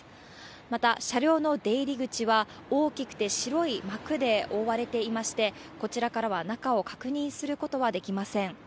また、車両の出入り口は大きくて白い幕で覆われていまして、こちらからは中を確認することはできません。